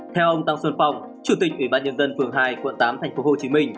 theo ông tăng xuân phong chủ tịch ủy ban nhân dân phường hai quận tám tp hcm